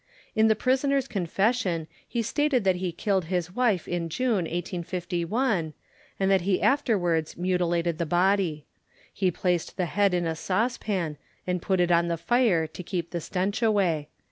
In the prisoner's confession he stated that he killed his wife in June, 1851, and that he afterwards mutilated the body. He placed the head in a saucepan, and put it on the fire to keep the stench away.